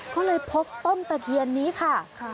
ก็เลยพบต้นตะเคียนนี้ค่ะ